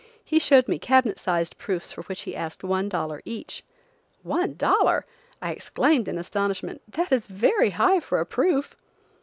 He showed me cabinet sized proofs for which he asked one dollar each. "One dollar!" I exclaimed in astonishment, "That is very high for a proof."